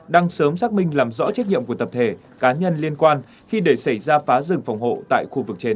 đang sớm xác minh làm rõ trách nhiệm của tập thể cá nhân liên quan khi để xảy ra phá rừng phòng hộ tại khu vực trên